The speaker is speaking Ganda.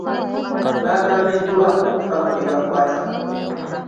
Baagambiddwa okufa ku bibakwatako.